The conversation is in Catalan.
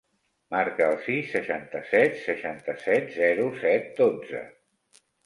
Marca el sis, seixanta-set, seixanta-set, zero, set, dotze.